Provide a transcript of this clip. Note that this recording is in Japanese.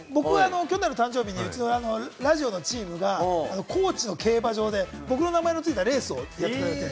去年の誕生日に、うちのラジオのチームが高知の競馬場で僕の名前のついたレースをやってくれて。